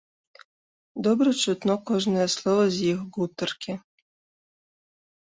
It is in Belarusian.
Добра чутно кожнае слова з іх гутаркі.